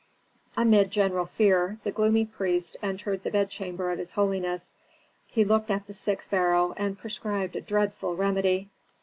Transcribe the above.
Amid general fear, the gloomy priest entered the bedchamber of his holiness. He looked at the sick pharaoh and prescribed a dreadful remedy.